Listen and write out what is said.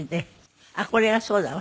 あっこれがそうだわ。